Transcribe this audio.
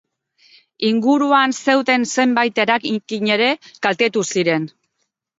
Inguruan zeuden zenbait eraikin ere kaltetu ziren.